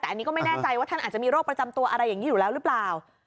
แต่อันนี้ก็ไม่แน่ใจว่าท่านอาจจะมีโรคประจำตัวอะไรอย่างนี้อยู่แล้วหรือเปล่า